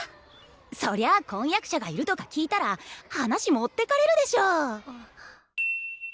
そりゃ婚約者がいるとか聞いたら話持ってかれるでしょ。